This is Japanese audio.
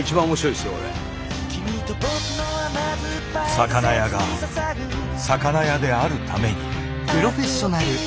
魚屋が魚屋であるために。